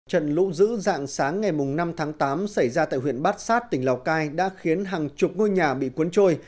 trận lũ dữ dạng sáng ngày năm tháng tám xảy ra tại huyện bát sát tỉnh lào cai đã khiến hàng chục ngôi nhà bị cuốn trôi